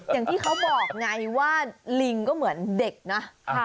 อย่างที่เขาบอกไงว่าลิงก็เหมือนเด็กนะ